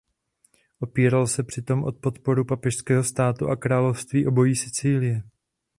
Opíral se přitom o podporu Papežského státu a Království obojí Sicílie.